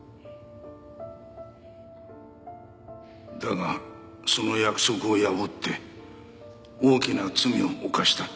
だがその約束を破って大きな罪を犯した。